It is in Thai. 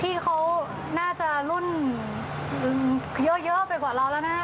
พี่เขาน่าจะรุ่นเยอะไปกว่าเราแล้วนะ